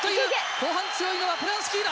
後半強いのはポリャンスキーだ。